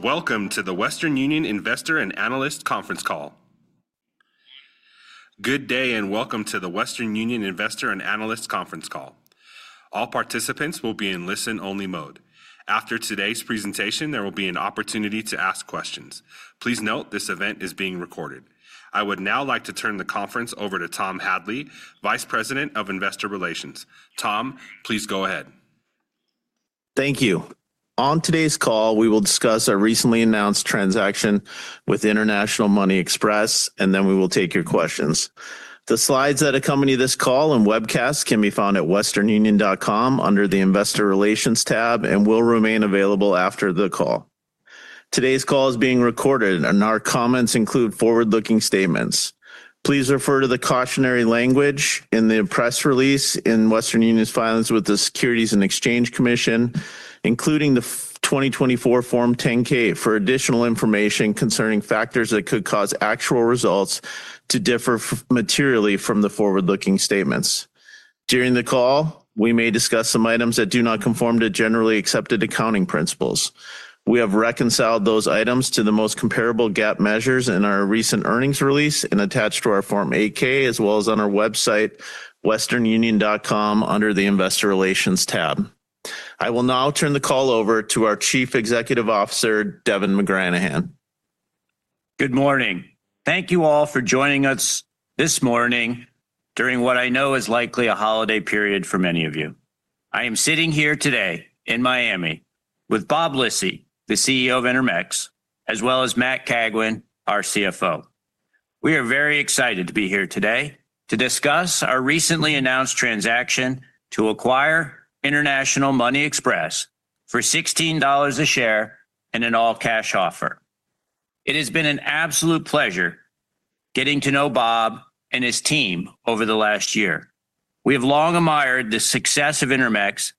Welcome to the Western Union Investor and Analyst Conference Call. Good day and welcome to the Western Union Investor and Analyst Conference Call. All participants will be in listen-only mode. After today's presentation, there will be an opportunity to ask questions. Please note this event is being recorded. I would now like to turn the conference over to Tom Hadley, Vice President of Investor Relations. Tom, please go ahead. Thank you. On today's call, we will discuss our recently announced transaction with International Money Express, and then we will take your questions. The slides that accompany this call and webcast can be found at westernunion.com under the Investor Relations tab and will remain available after the call. Today's call is being recorded, and our comments include forward-looking statements. Please refer to the cautionary language in the press release in Western Union's filings with the Securities and Exchange Commission, including the 2024 Form 10-K, for additional information concerning factors that could cause actual results to differ materially from the forward-looking statements. During the call, we may discuss some items that do not conform to generally accepted accounting principles. We have reconciled those items to the most comparable GAAP measures in our recent earnings release and attached to our Form 8-K, as well as on our website, westernunion.com, under the Investor Relations tab. I will now turn the call over to our Chief Executive Officer, Devin McGranahan. Good morning. Thank you all for joining us this morning during what I know is likely a holiday period for many of you. I am sitting here today in Miami with Bob Lisy, the CEO of Intermex, as well as Matt Cagwin, our CFO. We are very excited to be here today to discuss our recently announced transaction to acquire International Money Express for $16 a share in an all-cash offer. It has been an absolute pleasure getting to know Bob and his team over the last year. We have long admired the success of Intermex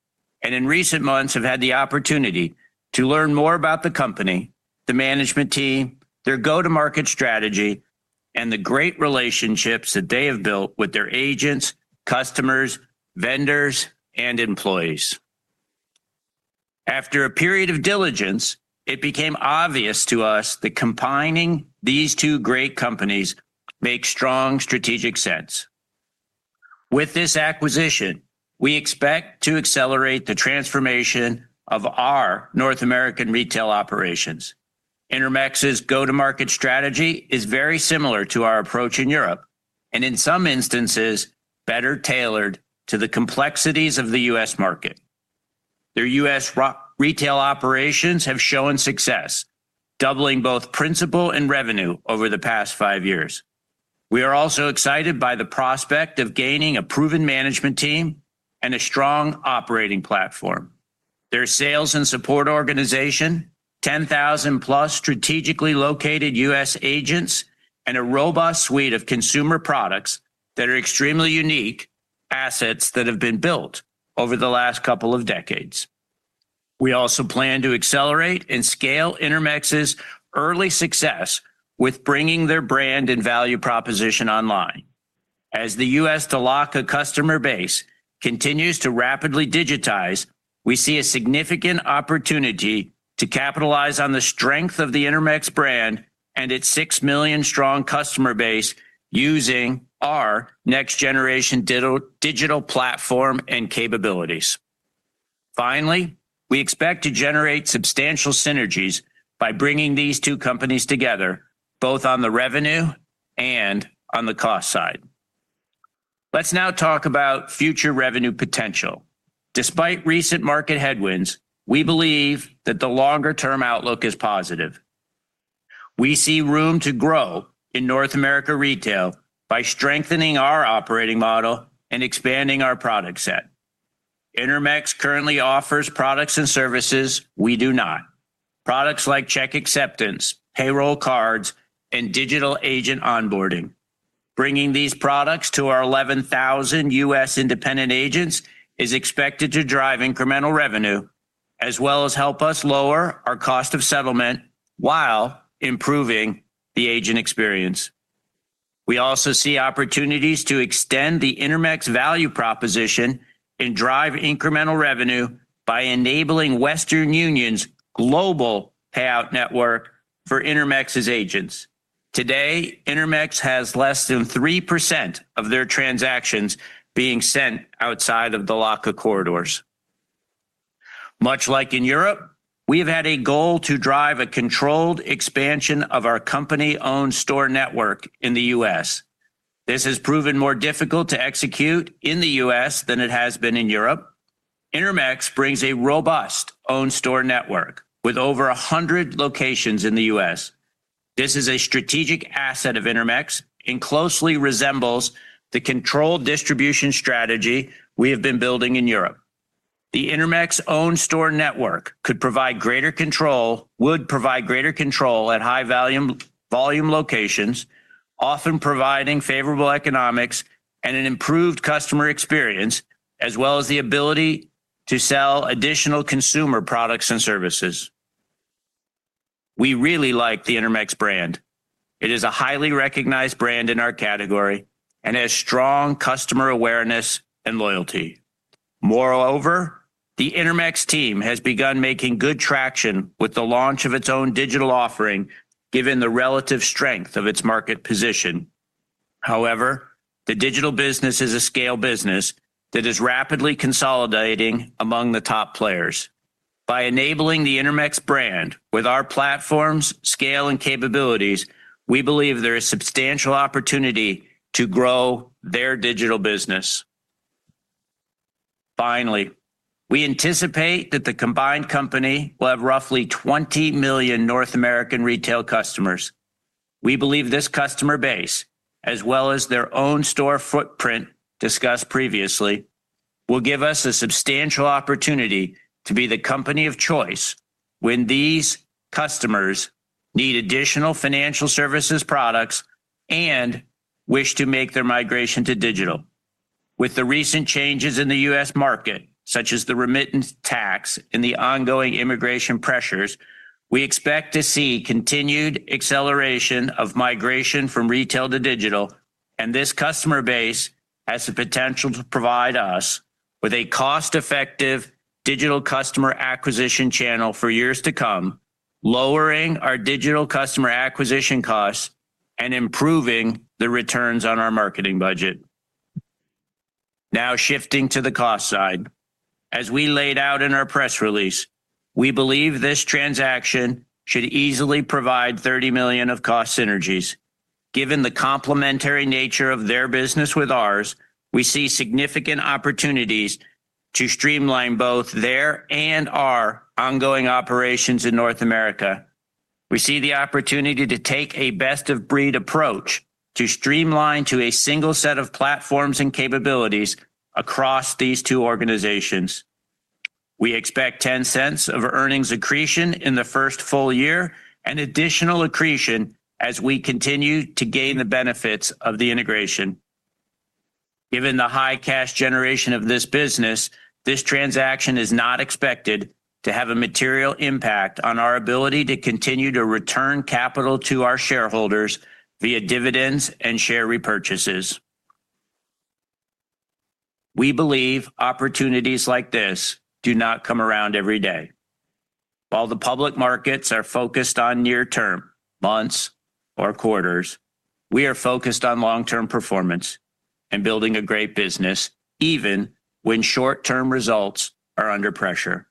and in recent months have had the opportunity to learn more about the company, the management team, their go-to-market strategy, and the great relationships that they have built with their agents, customers, vendors, and employees. After a period of diligence, it became obvious to us that combining these two great companies makes strong strategic sense. With this acquisition, we expect to accelerate the transformation of our North American retail operations. Intermex's Go-To-Market strategy is very similar to our approach in Europe and, in some instances, better tailored to the complexities of the U.S. market. Their U.S. retail operations have shown success, doubling both principal and revenue over the past five years. We are also excited by the prospect of gaining a proven management team and a strong operating platform. Their sales and support organization, 10,000+ strategically located U.S. agents, and a robust suite of consumer products are extremely unique assets that have been built over the last couple of decades. We also plan to accelerate and scale Intermex's early success with bringing their brand and value proposition online. As the U.S. [the LACA] customer base continues to rapidly digitize, we see a significant opportunity to capitalize on the strength of the Intermex brand and its 6 million-strong customer base using our next-generation digital platform and capabilities. Finally, we expect to generate substantial synergies by bringing these two companies together, both on the revenue and on the cost side. Let's now talk about future revenue potential. Despite recent market headwinds, we believe that the longer-term outlook is positive. We see room to grow in North America retail by strengthening our operating model and expanding our product set. Intermex currently offers products and services we do not, products like check acceptance, payroll cards, and digital agent onboarding. Bringing these products to our 11,000 U.S. Independent agents are expected to drive incremental revenue as well as help us lower our cost of settlement while improving the agent experience. We also see opportunities to extend the Intermex value proposition and drive incremental revenue by enabling Western Union's global payout network for Intermex's agents. Today, Intermex has less than 3% of their transactions being sent outside of dollar corridors. Much like in Europe, we have had a goal to drive a controlled expansion of our company-owned store network in the U.S. This has proven more difficult to execute in the U.S. than it has been in Europe. Intermex brings a robust owned store network with over 100 locations in the U.S. This is a strategic asset of Intermex and closely resembles the controlled distribution strategy we have been building in Europe. The Intermex owned store network could provide greater control, would provide greater control at high volume locations, often providing favorable economics and an improved customer experience, as well as the ability to sell additional consumer products and services. We really like the Intermex brand. It is a highly recognized brand in our category and has strong customer awareness and loyalty. Moreover, the Intermex team has begun making good traction with the launch of its own digital offering, given the relative strength of its market position. However, the digital business is a scale business that is rapidly consolidating among the top players. By enabling the Intermex brand with our platform's scale and capabilities, we believe there is substantial opportunity to grow their digital business. Finally, we anticipate that the combined company will have roughly 20 million North American retail customers. We believe this customer base, as well as their owned store footprint discussed previously, will give us a substantial opportunity to be the company of choice when these customers need additional financial services products and wish to make their migration to digital. With the recent changes in the U.S. market, such as the remittance tax and the ongoing immigration pressures, we expect to see continued acceleration of migration from retail to digital, and this customer base has the potential to provide us with a cost-effective digital customer acquisition channel for years to come, lowering our digital customer acquisition costs and improving the returns on our marketing budget. Now, shifting to the cost side, as we laid out in our press release, we believe this transaction should easily provide $30 million of cost synergies. Given the complementary nature of their business with ours, we see significant opportunities to streamline both their and our ongoing operations in North America. We see the opportunity to take a best-of-breed approach to streamline to a single set of platforms and capabilities across these two organizations. We expect $0.10 of earnings accretion in the first full year and additional accretion as we continue to gain the benefits of the integration. Given the high cash generation of this business, this transaction is not expected to have a material impact on our ability to continue to return capital to our shareholders via dividends and share repurchases. We believe opportunities like this do not come around every day. While the public markets are focused on near-term, months, or quarters, we are focused on long-term performance and building a great business, even when short-term results are under pressure.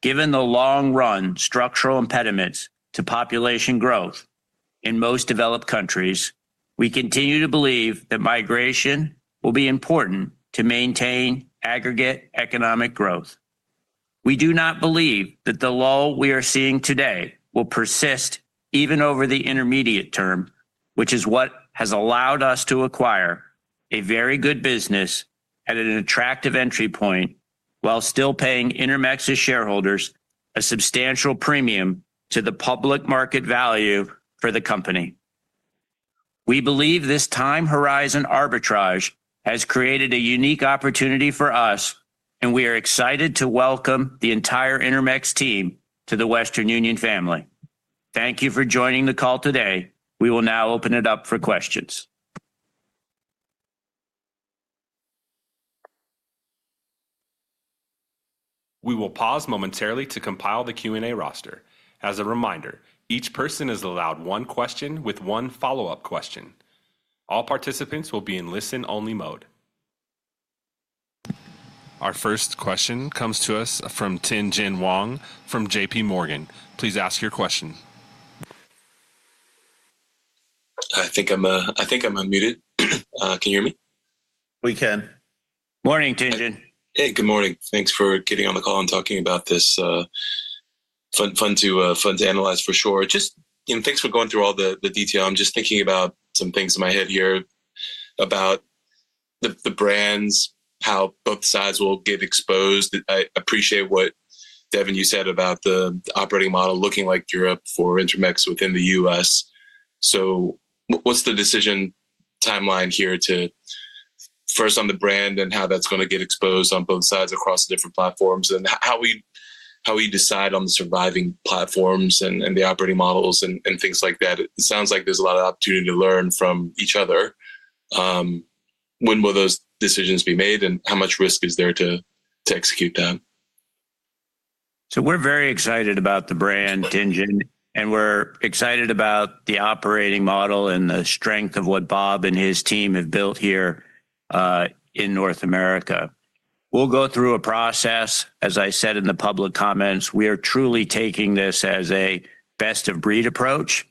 Given the long-run structural impediments to population growth in most developed countries, we continue to believe that migration will be important to maintain aggregate economic growth. We do not believe that the lull we are seeing today will persist even over the intermediate term, which is what has allowed us to acquire a very good business at an attractive entry point while still paying Intermex's shareholders a substantial premium to the public market value for the company. We believe this time horizon arbitrage has created a unique opportunity for us, and we are excited to welcome the entire Intermex team to the Western Union family. Thank you for joining the call today. We will now open it up for questions. We will pause momentarily to compile the Q&A roster. As a reminder, each person is allowed one question with one follow-up question. All participants will be in listen-only mode. Our first question comes to us from Tien-Tsin Huang from JPMorgan. Please ask your question. I think I'm unmuted. Can you hear me? We can. Morning, Tien-Tsin. Hey, good morning. Thanks for getting on the call and talking about this. Fun to analyze for sure. Thanks for going through all the detail. I'm just thinking about some things in my head here about the brands, how both sides will get exposed. I appreciate what Devin, you said about the operating model looking like Europe for Intermex within the U.S. What's the decision timeline here to first on the brand and how that's going to get exposed on both sides across the different platforms and how we decide on the surviving platforms and the operating models and things like that? It sounds like there's a lot of opportunity to learn from each other. When will those decisions be made and how much risk is there to execute that? We are very excited about the brand, and we are excited about the operating model and the strength of what Bob and his team have built here in North America. We will go through a process. As I said in the public comments, we are truly taking this as a best-of-breed approach.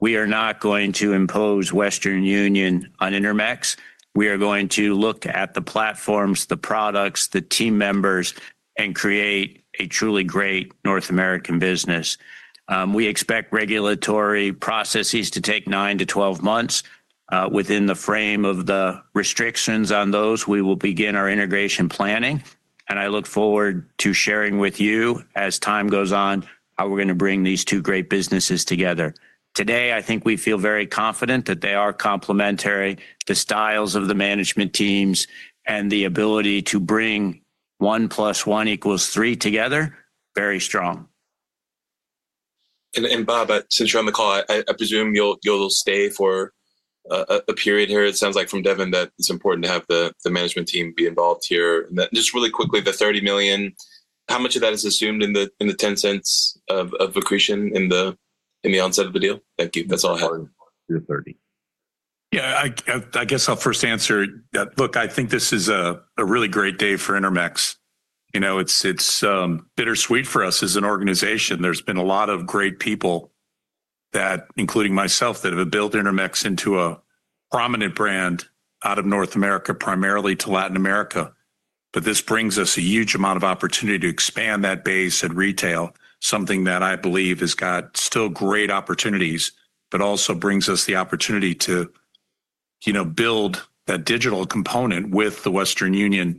We are not going to impose Western Union on Intermex. We are going to look at the platforms, the products, the team members, and create a truly great North American business. We expect regulatory processes to take 9 months-12 months. Within the frame of the restrictions on those, we will begin our integration planning. I look forward to sharing with you as time goes on how we are going to bring these two great businesses together. Today, I think we feel very confident that they are complementary to the styles of the management teams and the ability to bring one plus one equals three together. Very strong. Bob, since you're on the call, I presume you'll stay for a period here. It sounds like from Devin that it's important to have the management team be involved here. Really quickly, the $30 million, how much of that is assumed in the $0.10 of accretion in the onset of the deal? Thank you. That's all I have. Yeah. I guess I'll first answer that. Look, I think this is a really great day for Intermex. It's bittersweet for us as an organization. There's been a lot of great people, including myself, that have built Intermex into a prominent brand out of North America, primarily to Latin America. This brings us a huge amount of opportunity to expand that base in retail, something that I believe has still got great opportunities. It also brings us the opportunity to build that digital component with the Western Union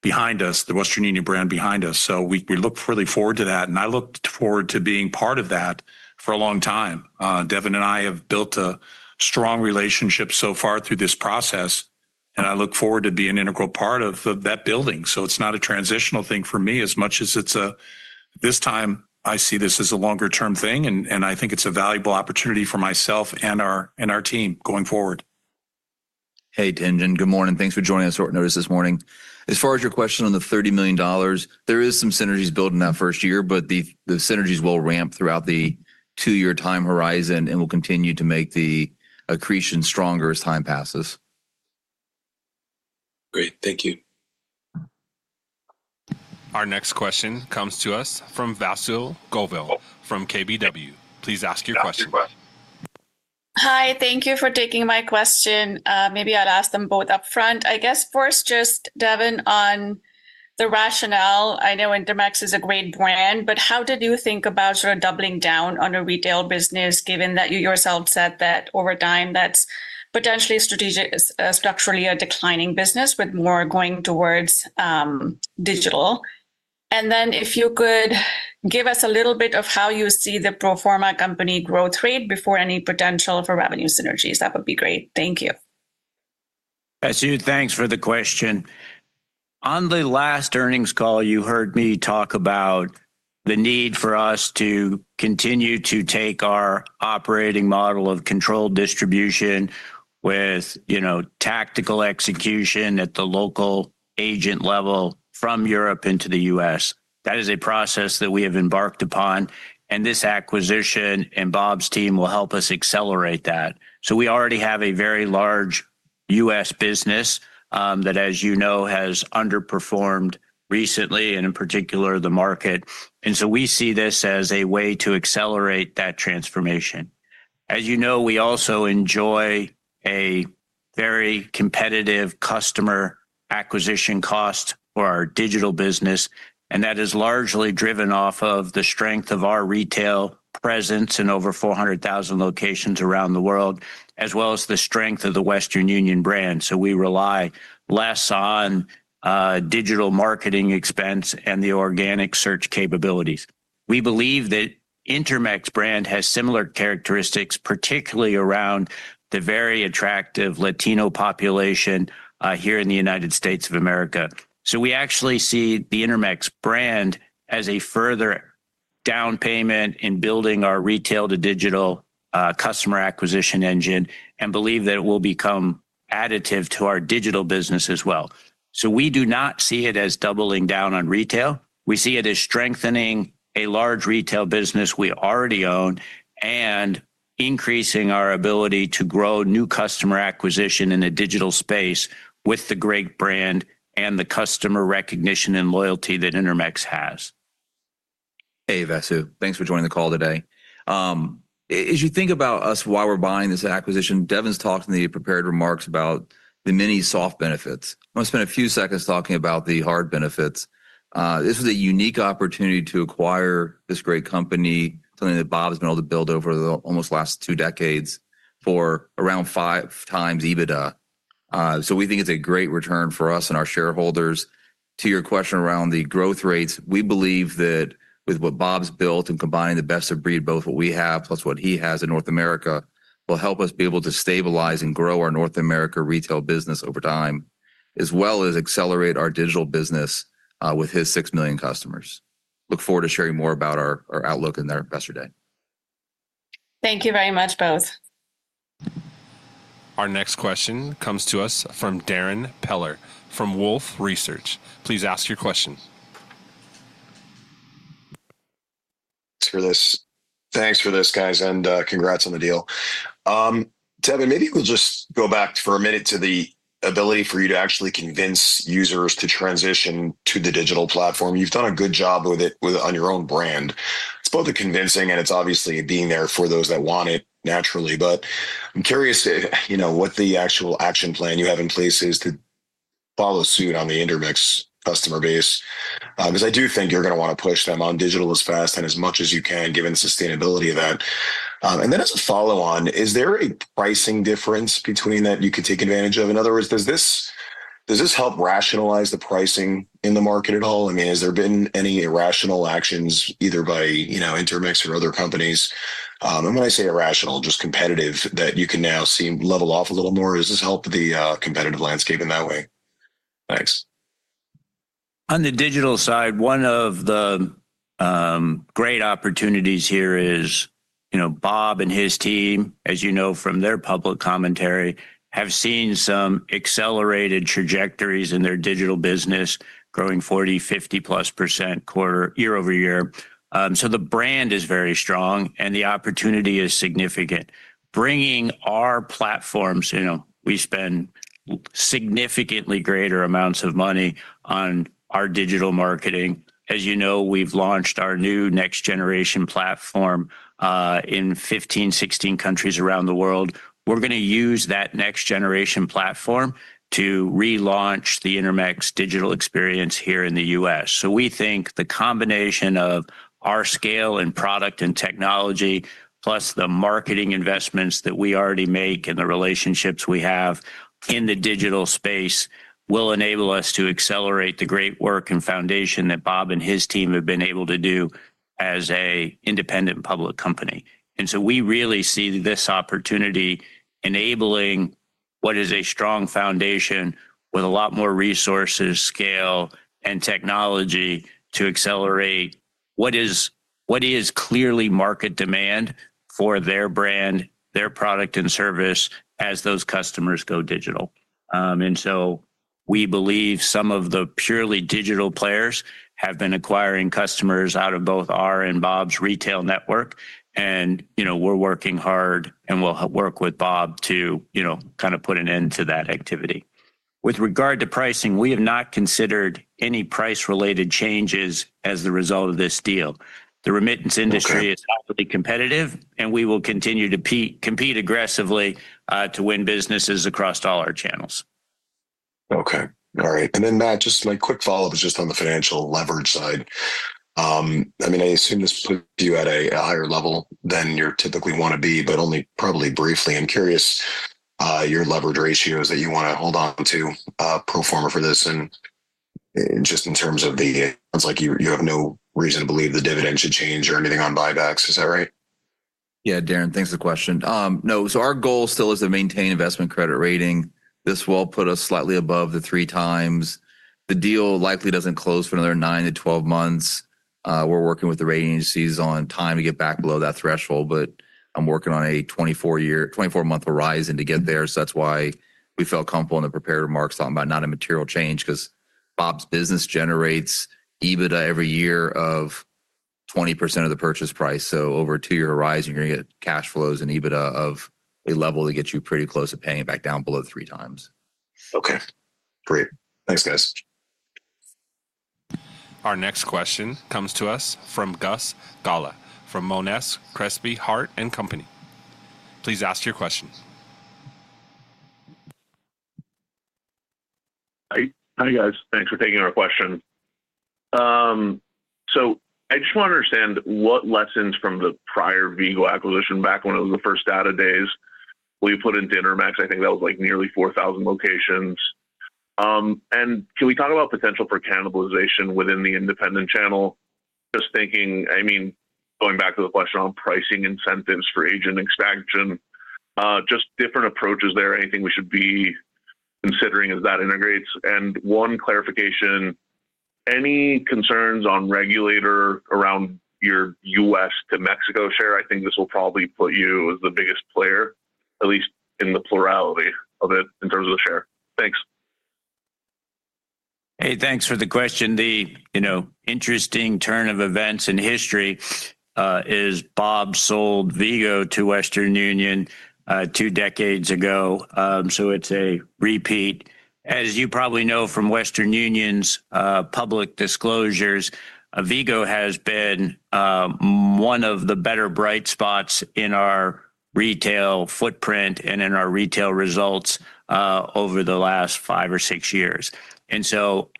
brand behind us. We look really forward to that, and I look forward to being part of that for a long time. Devin and I have built a strong relationship so far through this process, and I look forward to being an integral part of that building. It's not a transitional thing for me as much as this time I see this as a longer-term thing, and I think it's a valuable opportunity for myself and our team going forward. Hey, Tien-Tsin. Good morning. Thanks for joining us on short notice this morning. As far as your question on the $30 million, there are some synergies built in that first year, but the synergies will ramp throughout the two-year time horizon and will continue to make the accretion stronger as time passes. Great. Thank you. Our next question comes to us from Vasu Govil from KBW. Please ask your question. Hi. Thank you for taking my question. Maybe I'll ask them both upfront. I guess first, just Devin, on the rationale. I know Intermex is a great brand, but how did you think about sort of doubling down on a retail business, given that you yourself said that over time that's potentially a structurally declining business with more going towards digital? If you could give us a little bit of how you see the pro forma company growth rate before any potential for revenue synergies, that would be great. Thank you. Vasu, thanks for the question. On the last earnings call, you heard me talk about the need for us to continue to take our operating model of controlled distribution with tactical execution at the local agent level from Europe into the U.S. That is a process that we have embarked upon, and this acquisition and Bob's team will help us accelerate that. We already have a very large U.S. business that, as you know, has underperformed recently, in particular, the market. We see this as a way to accelerate that transformation. As you know, we also enjoy a very competitive customer acquisition cost for our digital business, and that is largely driven off of the strength of our retail presence in over 400,000 locations around the world, as well as the strength of the Western Union brand. We rely less on digital marketing expense and the organic search capabilities. We believe that the Intermex brand has similar characteristics, particularly around the very attractive Latino population here in the United States. We actually see the Intermex brand as a further down payment in building our retail-to-digital customer acquisition engine and believe that it will become additive to our digital business as well. We do not see it as doubling down on retail. We see it as strengthening a large retail business we already own and increasing our ability to grow new customer acquisition in a digital space with the great brand and the customer recognition and loyalty that Intermex has. Hey, Vasu. Thanks for joining the call today. As you think about us, why we're buying this acquisition, Devin's talked in the prepared remarks about the many soft benefits. I want to spend a few seconds talking about the hard benefits. This is a unique opportunity to acquire this great company, something that Bob's been able to build over the almost last two decades for around 5x EBITDA. We think it's a great return for us and our shareholders. To your question around the growth rates, we believe that with what Bob's built and combining the best-of-breed, both what we have plus what he has in North America, will help us be able to stabilize and grow our North America retail business over time, as well as accelerate our digital business with his 6 million customers. Look forward to sharing more about our outlook in the rest of the day. Thank you very much, both. Our next question comes to us from Darrin Peller from Wolfe Research. Please ask your question. Thanks for this, guys, and congrats on the deal. Devin, maybe you could just go back for a minute to the ability for you to actually convince users to transition to the digital platform. You've done a good job with it on your own brand. It's both convincing, and it's obviously being there for those that want it naturally. I'm curious, you know, what the actual action plan you have in place is to follow suit on the Intermex customer base, because I do think you're going to want to push them on digital as fast and as much as you can, given the sustainability of that. As a follow-on, is there a pricing difference between that you could take advantage of? In other words, does this help rationalize the pricing in the market at all? I mean, has there been any irrational actions either by, you know, Intermex or other companies? When I say irrational, just competitive, that you can now seem to level off a little more? Does this help the competitive landscape in that way? Thanks. On the digital side, one of the great opportunities here is, you know, Bob and his team, as you know from their public commentary, have seen some accelerated trajectories in their digital business, growing 40%, 50% plus quarter, year-over-year. The brand is very strong and the opportunity is significant. Bringing our platforms, you know, we spend significantly greater amounts of money on our digital marketing. As you know, we've launched our new next-generation digital platform in 15, 16 countries around the world. We're going to use that next-generation digital platform to relaunch the Intermex digital experience here in the U.S. We think the combination of our scale and product and technology, plus the marketing investments that we already make and the relationships we have in the digital space, will enable us to accelerate the great work and foundation that Bob and his team have been able to do as an independent public company. We really see this opportunity enabling what is a strong foundation with a lot more resources, scale, and technology to accelerate what is clearly market demand for their brand, their product, and service as those customers go digital. We believe some of the purely digital players have been acquiring customers out of both our and Bob's retail network. We're working hard and will work with Bob to, you know, kind of put an end to that activity. With regard to pricing, we have not considered any price-related changes as a result of this deal. The remittance industry is competitive and we will continue to compete aggressively to win businesses across all our channels. Okay. All right. Matt, just my quick follow-up is just on the financial leverage side. I assume this is a view at a higher level than you typically want to be, but only probably briefly. I'm curious your leverage ratios that you want to hold on to pro forma for this. In terms of the, it sounds like you have no reason to believe the dividend should change or anything on buybacks. Is that right? Yeah, Darrin, thanks for the question. No, our goal still is to maintain investment credit rating. This will put us slightly above the 3x. The deal likely doesn't close for another 9 months-12 months. We're working with the rating agencies on time to get back below that threshold, but I'm working on a 24-month horizon to get there. That's why we felt comfortable in the prepared remarks on not a material change because Bob's business generates EBITDA every year of 20% of the purchase price. Over a two-year horizon, you're going to get cash flows and EBITDA of a level that gets you pretty close to paying it back down below 3x. Okay, great. Thanks, guys. Our next question comes to us from Gus Galá from Monness, Crespi, Hardt & Company. Please ask your question. Hi, guys. Thanks for taking our question. I just want to understand what lessons from the prior Vigo acquisition back when it was the First Data days we put into Intermex. I think that was like nearly 4,000 locations. Can we talk about potential for cannibalization within the independent channel? Just thinking, going back to the question on pricing incentives for agent expansion, just different approaches there. Anything we should be considering as that integrates? One clarification, any concerns on regulator around your U.S. to Mexico share? I think this will probably put you as the biggest player, at least in the plurality of it in terms of the share. Thanks. Hey, thanks for the question. The interesting turn of events in history is Bob sold Vigo to Western Union two decades ago. It's a repeat. As you probably know from Western Union's public disclosures, Vigo has been one of the better bright spots in our retail footprint and in our retail results over the last five or six years.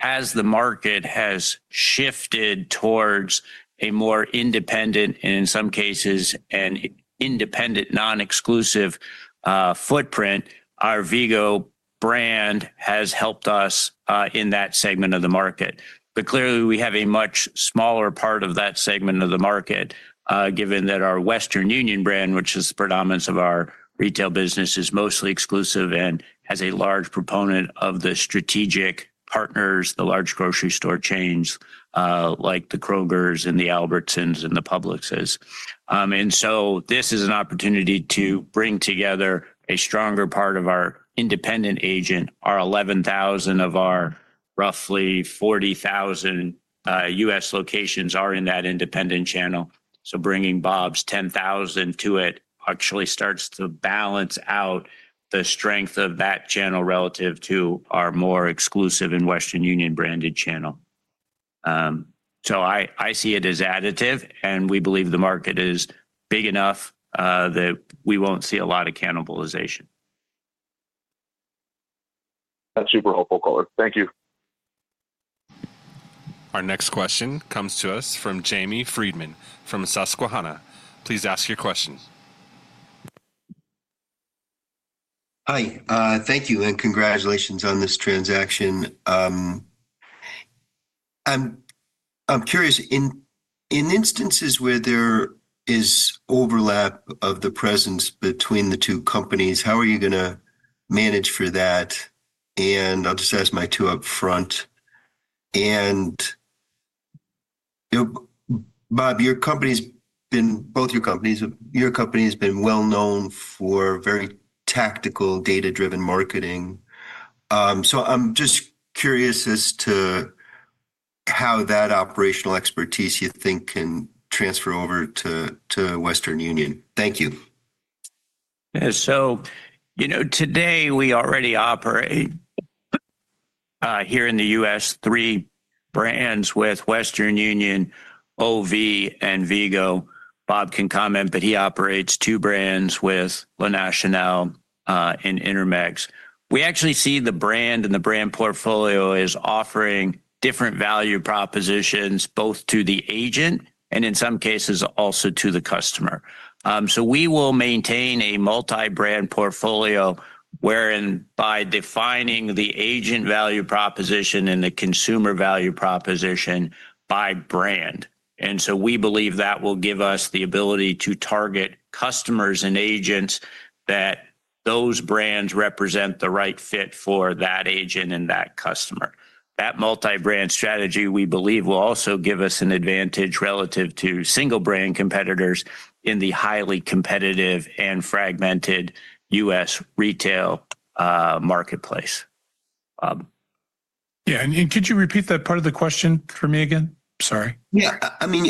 As the market has shifted towards a more independent and in some cases an independent, non-exclusive footprint, our Vigo brand has helped us in that segment of the market. Clearly, we have a much smaller part of that segment of the market, given that our Western Union brand, which is the predominance of our retail business, is mostly exclusive and has a large proponent of the strategic partners, the large grocery store chains like the Krogers and the Albertsons and the Publixes. This is an opportunity to bring together a stronger part of our independent agent. Our 11,000 of our roughly 40,000 U.S. locations are in that independent channel. Bringing Bob's 10,000 to it actually starts to balance out the strength of that channel relative to our more exclusive and Western Union branded channel. I see it as additive, and we believe the market is big enough that we won't see a lot of cannibalization. That's super helpful [color]. Thank you. Our next question comes to us from Jamie Friedman from Susquehanna. Please ask your question. Hi. Thank you and congratulations on this transaction. I'm curious, in instances where there is overlap of the presence between the two companies, how are you going to manage for that? I'll just ask my two up front. Bob, your company's been, both your companies, your company's been well known for very tactical data-driven marketing. I'm just curious as to how that operational expertise you think can transfer over to Western Union. Thank you. Yeah. Today we already operate here in the U.S. three brands with Western Union, OV, and Vigo. Bob can comment, but he operates two brands with La Nacional and Intermex. We actually see the brand and the brand portfolio as offering different value propositions both to the agent and in some cases also to the customer. We will maintain a multi-brand portfolio wherein by defining the agent value proposition and the consumer value proposition by brand. We believe that will give us the ability to target customers and agents that those brands represent the right fit for that agent and that customer. That multi-brand strategy, we believe, will also give us an advantage relative to single-brand competitors in the highly competitive and fragmented U.S. retail marketplace. Yeah. Could you repeat that part of the question for me again? Sorry. I mean,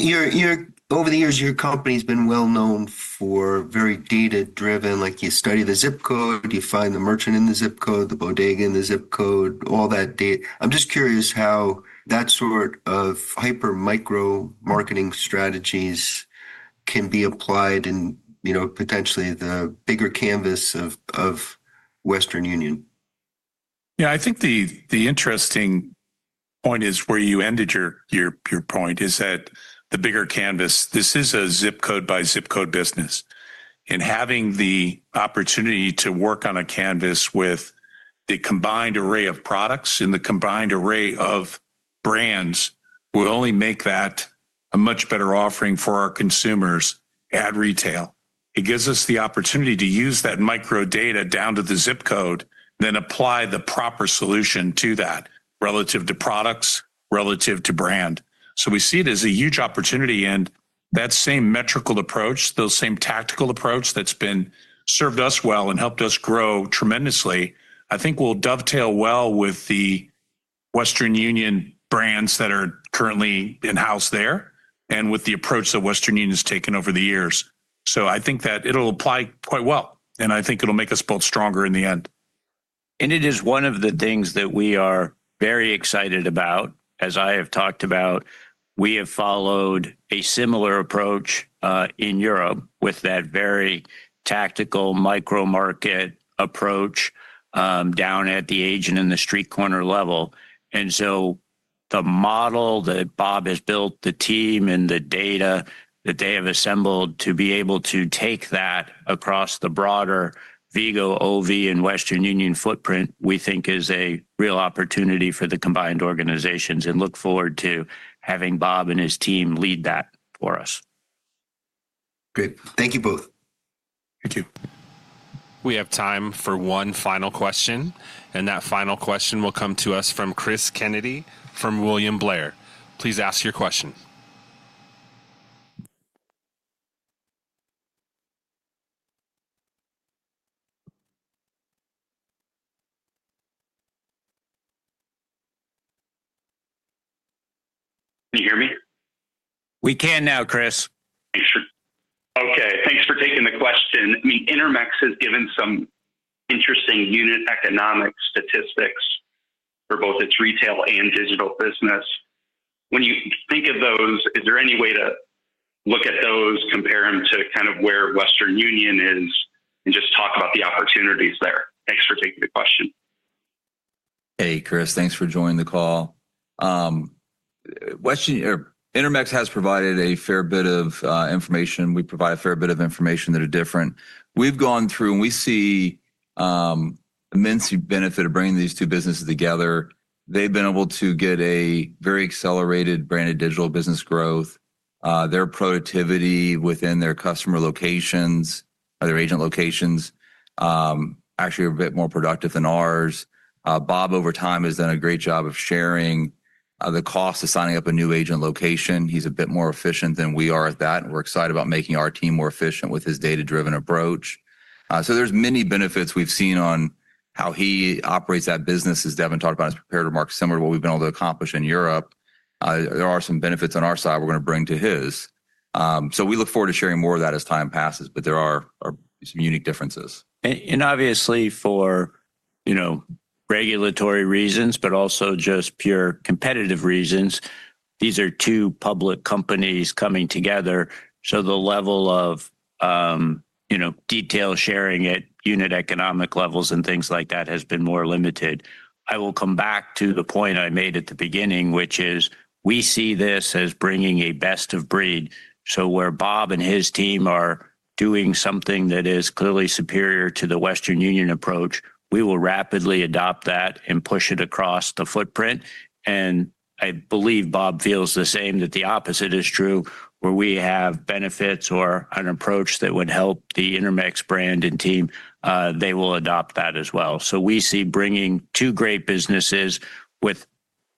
over the years, your company's been well known for very data-driven, like you study the zip code, you find the merchant in the zip code, the bodega in the zip code, all that data. I'm just curious how that sort of hyper-local marketing strategies can be applied in, you know, potentially the bigger canvas of Western Union. I think the interesting point is where you ended your point, that the bigger canvas, this is a zip code by zip code business. Having the opportunity to work on a canvas with the combined array of products and the combined array of brands will only make that a much better offering for our consumers at retail. It gives us the opportunity to use that micro data down to the zip code, then apply the proper solution to that relative to products, relative to brand. We see it as a huge opportunity. That same metrical approach, those same tactical approach that's served us well and helped us grow tremendously, I think will dovetail well with the Western Union brands that are currently in-house there and with the approach that Western Union has taken over the years. I think that it'll apply quite well. I think it'll make us both stronger in the end. It is one of the things that we are very excited about. As I have talked about, we have followed a similar approach in Europe with that very tactical micro market approach down at the agent and the street corner level. The model that Bob has built, the team and the data that they have assembled to be able to take that across the broader Vigo, OV, and Western Union footprint, we think is a real opportunity for the combined organizations and look forward to having Bob and his team lead that for us. Great. Thank you both. You too. We have time for one final question. That final question will come to us from Cris Kennedy from William Blair. Please ask your question. Can you hear me? We can now, Cris. Thanks. Okay. Thanks for taking the question. I mean, Intermex has given some interesting unit economic statistics for both its retail and digital business. When you think of those, is there any way to look at those, compare them to kind of where Western Union is, and just talk about the opportunities there? Thanks for taking the question. Hey, Cris. Thanks for joining the call. Intermex has provided a fair bit of information. We provide a fair bit of information that is different. We've gone through and we see immense benefit of bringing these two businesses together. They've been able to get a very accelerated branded digital business growth. Their productivity within their customer locations, their agent locations, actually are a bit more productive than ours. Bob, over time, has done a great job of sharing the cost of signing up a new agent location. He's a bit more efficient than we are at that, and we're excited about making our team more efficient with his data-driven approach. There are many benefits we've seen on how he operates that business, as Devin talked about in his prepared remarks, similar to what we've been able to accomplish in Europe. There are some benefits on our side we're going to bring to his. We look forward to sharing more of that as time passes, but there are some unique differences. Obviously, for regulatory reasons, but also just pure competitive reasons, these are two public companies coming together. The level of detail sharing at unit economic levels and things like that has been more limited. I will come back to the point I made at the beginning, which is we see this as bringing a best-of-breed. Where Bob and his team are doing something that is clearly superior to the Western Union approach, we will rapidly adopt that and push it across the footprint. I believe Bob feels the same, that the opposite is true, where we have benefits or an approach that would help the Intermex brand and team, they will adopt that as well. We see bringing two great businesses with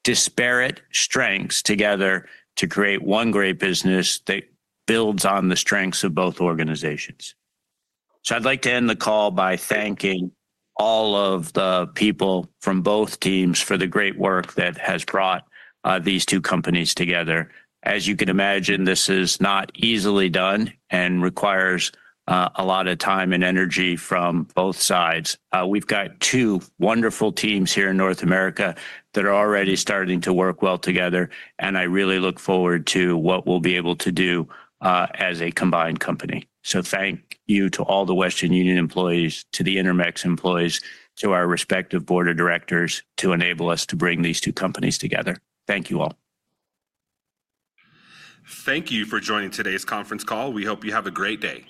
disparate strengths together to create one great business that builds on the strengths of both organizations. I'd like to end the call by thanking all of the people from both teams for the great work that has brought these two companies together. As you can imagine, this is not easily done and requires a lot of time and energy from both sides. We've got two wonderful teams here in North America that are already starting to work well together, and I really look forward to what we'll be able to do as a combined company. Thank you to all the Western Union employees, to the Intermex employees, to our respective board of directors, to enable us to bring these two companies together. Thank you all. Thank you for joining today's conference call. We hope you have a great day.